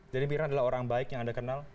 jadi mirna adalah orang baik yang anda kenal